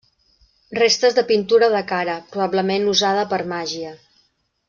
Restes de pintura de cara, probablement usada per màgia.